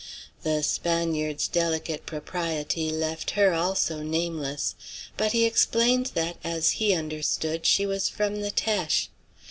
The Spaniard's delicate propriety left her also nameless; but he explained that, as he understood, she was from the Teche.